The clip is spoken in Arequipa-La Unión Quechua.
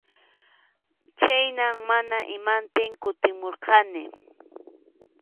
Chhaynam mana imantin kutimpurqani.